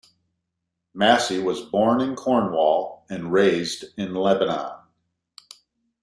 Massey was born in Cornwall and raised in Lebanon.